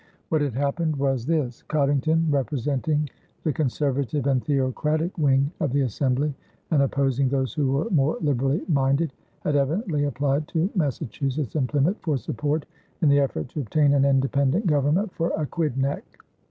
What had happened was this. Coddington, representing the conservative and theocratic wing of the assembly and opposing those who were more liberally minded, had evidently applied to Massachusetts and Plymouth for support in the effort to obtain an independent government for Aquidneck.